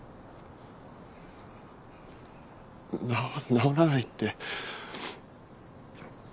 治らないって。